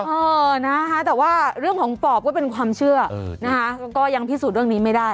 เออนะคะแต่ว่าเรื่องของปอบก็เป็นความเชื่อนะคะก็ยังพิสูจน์เรื่องนี้ไม่ได้